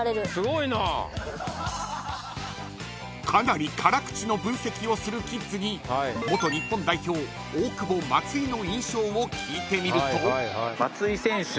かなり辛口の分析をするキッズに元日本代表大久保、松井の印象を聞いてみると。